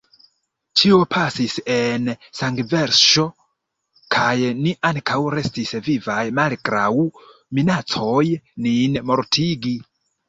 Ĉio pasis sen sangverŝo kaj ni ankaŭ restis vivaj malgraŭ minacoj nin mortigi.